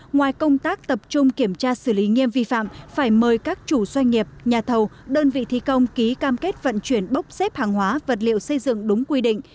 ngoài công tác tập trung kiểm tra xử lý nghiêm vi phạm phải mời các chủ doanh nghiệp nhà thầu đơn vị thi công ký cam kết vận chuyển bốc xếp hàng hóa vật liệu xây dựng đúng quy định